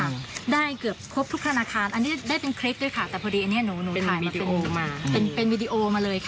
แล้วก็ธนาคารไม่ได้มีการตรวจสอบอะไรเลย